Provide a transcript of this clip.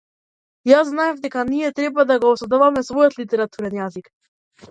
Јас знаев дека ние треба да го создаваме својот литературен јазик.